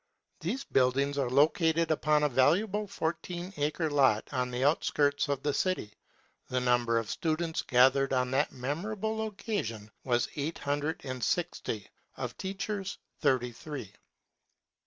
These buildings are located upon a valuable fourteen acre lot on the out skirts of the city. The number of students gathered on that memorableoocasion was eight htmdied and sixty, of teachers, thirty three.